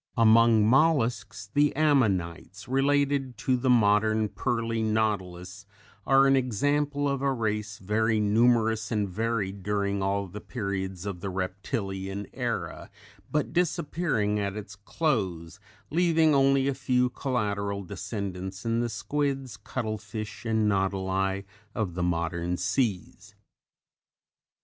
Among molluscs, the Ammonites, related to the modern Pearly Nautilus, are an example of a race very numerous and varied during all the periods of the Reptilian Era, but disappearing at its close, leaving only a few collateral descendants in the squids, cuttlefish and nautili of the modern seas.